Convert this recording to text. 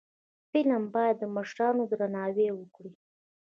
فلم باید د مشرانو درناوی وکړي